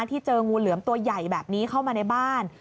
เจองูเหลือมตัวใหญ่แบบนี้เข้ามาในบ้าน